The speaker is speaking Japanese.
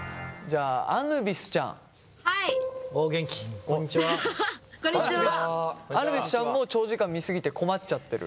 あぬビスちゃんも長時間見過ぎて困っちゃってる？